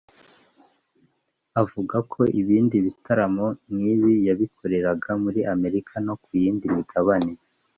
Avuga ko ibindi bitaramo nk’ibi yabikoreraga muri Amerika no ku yindi migabane